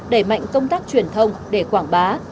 để mạnh công tác truyền thông để quảng bá